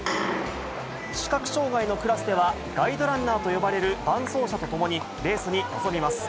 視覚障がいのクラスでは、ガイドランナーと呼ばれる伴走者と共にレースに臨みます。